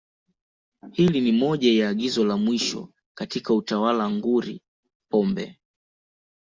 Hili ni moja ya agizo la mwisho katika utawala nguri Pombe